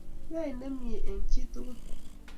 Yai nemie eng chii tugul